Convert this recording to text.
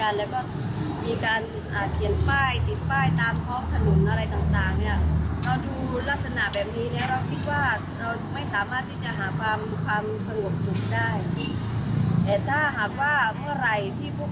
ในวันที่สุขจริงเราคิดว่าทุกคนจะต้องยุติก